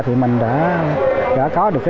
thì mình đã có được